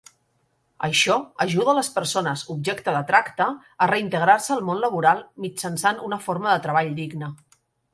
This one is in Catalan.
Això ajuda les persones objecte de tracta a reintegrar-se al món laboral mitjançant una forma de treball digna.